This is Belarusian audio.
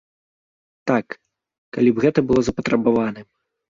Так, калі б гэта было запатрабаваным.